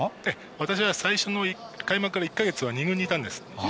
私は最初の開幕から１か月は２軍にいたんです。